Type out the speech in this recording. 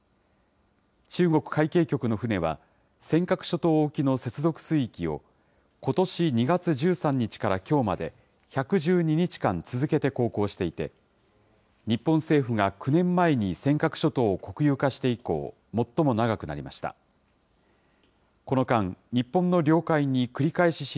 中国海警局の船は、尖閣諸島沖の接続水域を、ことし２月１３日からきょうまで、１１２日間続けて航行していて、日本政府が９年前に尖閣諸島を国有化して以降、最も長くなりました。